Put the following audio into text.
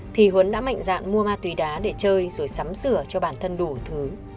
thì huấn đã mạnh dạn mua ma túy đá để chơi rồi sắm sửa cho bản thân đủ thứ